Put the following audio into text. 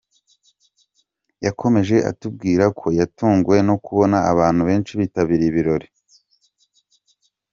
Yakomeje atubwira ko yatunguwe no kubona abantu benshi bitabiriye ibirori bye.